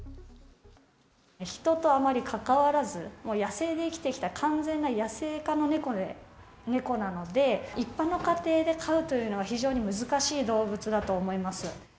人とあまり関わらず、野生で生きてきた完全な野生化の猫なので、一般の家庭で飼うというのは非常に難しい動物だと思います。